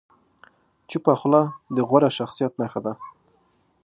چپه خوله، د غوره شخصیت نښه ده.